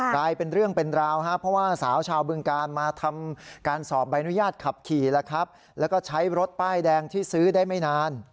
กลายเป็นเรื่องเป็นราวครับเพราะว่าสาวชาวบึงการมาทำการสอบใบอนุญาตขับขี่แล้วครับแล้วก็ใช้รถป้ายแดงที่ซื้อได้ไม่นาน